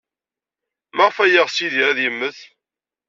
Maɣef ay yeɣs Yidir ad yemmet?